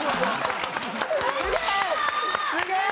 すげえ！